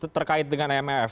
terkait dengan maf